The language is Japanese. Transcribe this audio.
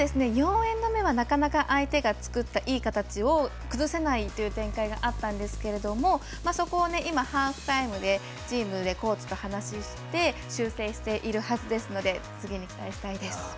４エンド目は、なかなか相手が作ったいい形を崩せないという展開があったんですけれどもそこをハーフタイムでチームで話をして修正しているはずですので次に期待したいです。